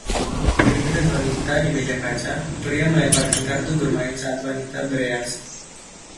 Pria dan wanita di meja kaca, pria melemparkan kartu bermain saat wanita bereaksi.